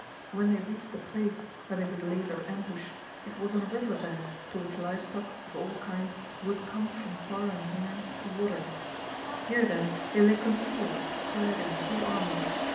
When they reached the place where they would lay their ambush, it was on a riverbed to which live stock of all kinds would come from far and near to water; here, then, they lay concealed, clad in full armour.